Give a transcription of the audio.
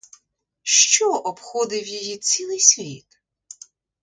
Що обходив її цілий світ?